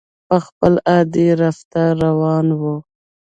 په خپل عادي رفتار روانه وه.